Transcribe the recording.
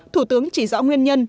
thủ tướng chỉ rõ nguyên nhân